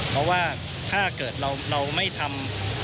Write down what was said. เพราะว่าถ้าเกิดเราไม่ทำ